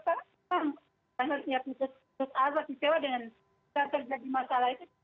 karena siap siap dikeluar dikeluar dengan terjadi masalah itu